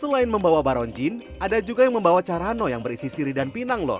selain membawa baronjin ada juga yang membawa carano yang berisi siri dan pinang loh